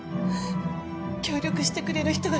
協力してくれる人がいるの。